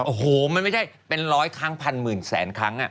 โอ้โหมันไม่ใช่เป็นร้อยครั้งพันหมื่นแสนครั้ง